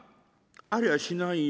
「ありゃしないよ。